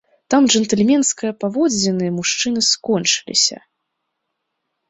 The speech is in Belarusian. Там джэнтльменская паводзіны мужчыны скончылася.